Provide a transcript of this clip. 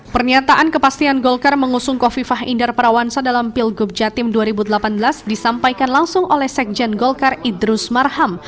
pernyataan kepastian golkar mengusung kofifah indar parawansa dalam pilgub jatim dua ribu delapan belas disampaikan langsung oleh sekjen golkar idrus marham